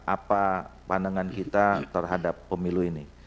apa pandangan kita terhadap pemilu ini